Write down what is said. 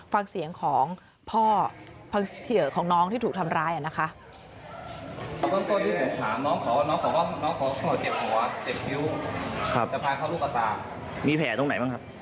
ฟังเสียงของพ่อของน้องที่ถูกทำร้ายนะคะ